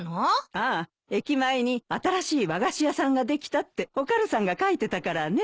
ああ駅前に新しい和菓子屋さんができたってお軽さんが書いてたからね。